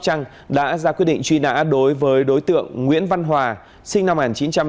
trăng đã ra quyết định truy nã đối với đối tượng nguyễn văn hòa sinh năm một nghìn chín trăm tám mươi